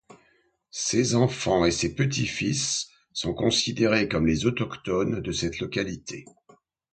Ses enfants et ses petits fils sont considérés comme les autochtones de cette localité.